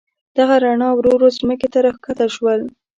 دغه رڼا ورو ورو مځکې ته راکښته شول.